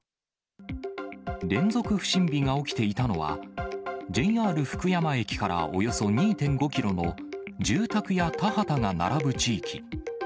連続不審火が起きていたのは、ＪＲ福山駅からおよそ２．５キロの住宅や田畑が並ぶ地域。